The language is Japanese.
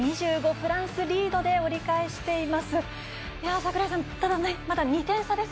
フランスがリードで折り返しています。